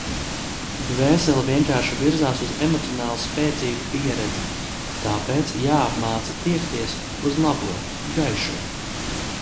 Dvēsele vienkārši virzās uz emocionāli spēcīgu pieredzi... Tāpēc jāapmāca tiekties uz labo, gaišo.